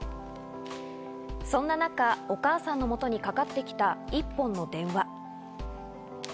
そんな中、お母さんのもとにかかってきた一本の電話。